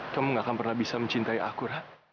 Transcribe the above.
kamu gak akan pernah bisa mencintai aku